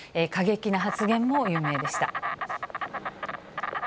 過激な発言も有名でした。